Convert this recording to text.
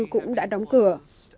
cũng đã đóng cửa